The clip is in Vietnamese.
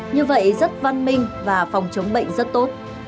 như vậy rất văn minh và phòng chống bệnh rất tốt